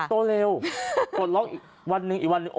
โตเร็วปลดล็อกอีกวันโอ้โหงามเลย